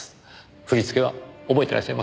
振り付けは覚えてらっしゃいますよね？